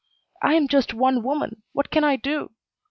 I am just one woman. What can I do?